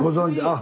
あ！